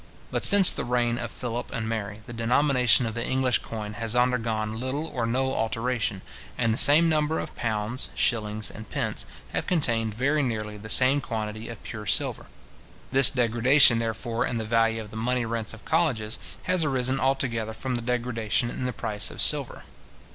But since the reign of Philip and Mary, the denomination of the English coin has undergone little or no alteration, and the same number of pounds, shillings, and pence, have contained very nearly the same quantity of pure silver. This degradation, therefore, in the value of the money rents of colleges, has arisen altogether from the degradation in the price of silver.